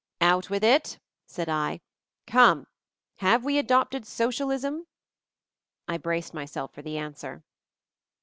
"Out with it!" said I. "Come— Have we adopted Socialism?" I braced myself for the answer.